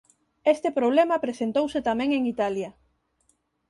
Este problema presentouse tamén en Italia.